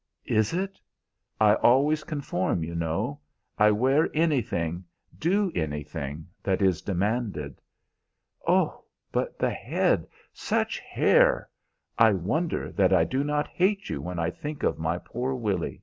"Is it? I always conform, you know. I wear anything, do anything, that is demanded." "Ah, but the head such hair! I wonder that I do not hate you when I think of my poor Willy."